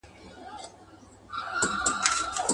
ویل قیامت یې ویل محشر یې.